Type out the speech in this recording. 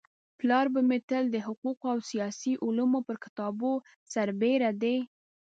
پلار به مي تل د حقوقو او سياسي علومو پر كتابو سربيره د